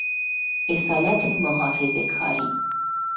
اصالت محافظه کاری